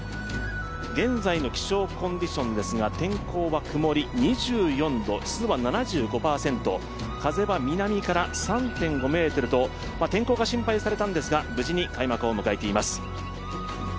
現在の気象コンディションですが天候は曇り、２４度、湿度は７５％、風は南から３．５メートルと天候が心配されたんですが無事に開幕を迎えています。